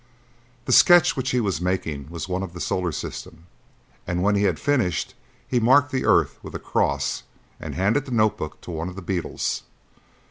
The sketch which he was making was one of the solar system, and, when he had finished, he marked the earth with a cross and handed the notebook to one of the beetles.